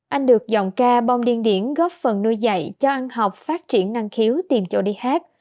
anh được giọng ca bong điên điển góp phần nuôi dạy cho ăn học phát triển năng khiếu tìm chỗ đi hát